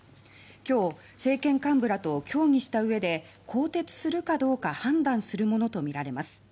今日、政権幹部らと協議した上で更迭するかどうか判断するものとみられます。